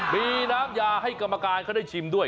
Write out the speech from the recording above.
มีน้ำยาให้กรรมการเขาได้ชิมด้วย